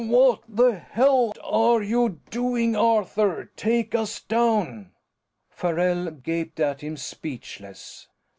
"What the hell are you doing, Arthur? Take us down!" Farrell gaped at him, speechless.